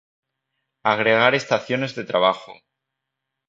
Agregar estaciones de trabajo